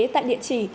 tại địa chỉ